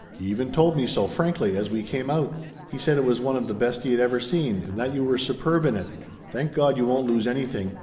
He even told me so, frankly, as we came out. He said it was one of the best he had ever seen, and that you were superb in it. Thank God you won't lose anything!